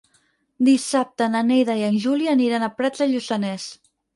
Dissabte na Neida i en Juli aniran a Prats de Lluçanès.